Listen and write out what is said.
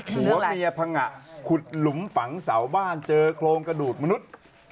ผัวเมียพังงะขุดหลุมฝังเสาบ้านเจอโครงกระดูกมนุษย์